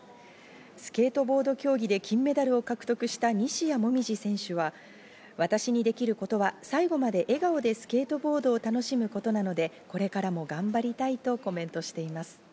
スケートボード競技で金メダルを獲得した西矢椛選手は私にできることは最後まで笑顔でスケートボードを楽しむことなので、これからも頑張りたいとコメントしています。